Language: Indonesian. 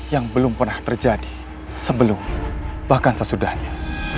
yang belum pernah terjadi sebelum bahkan sesudahnya